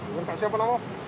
pertanyaan siapa pak